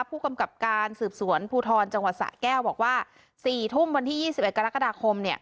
ผู้กำกับการสืบสวนภูทรจังหวัดสะแก้วบอกว่า๔ทุ่มวันที่๒๑กรกฎาคม